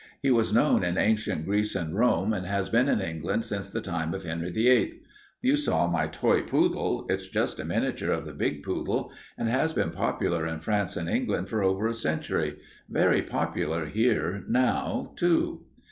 He was known in ancient Greece and Rome and has been in England since the time of Henry VIII. You saw my toy poodle. It's just a miniature of the big poodle and has been popular in France and England for over a century. Very popular here now, too.